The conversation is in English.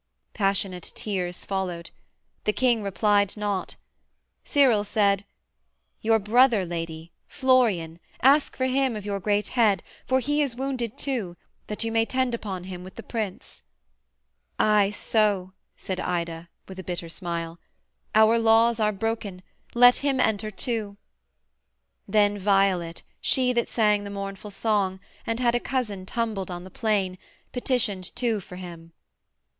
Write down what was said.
Passionate tears Followed: the king replied not: Cyril said: 'Your brother, Lady, Florian, ask for him Of your great head for he is wounded too That you may tend upon him with the prince.' 'Ay so,' said Ida with a bitter smile, 'Our laws are broken: let him enter too.' Then Violet, she that sang the mournful song, And had a cousin tumbled on the plain, Petitioned too for him.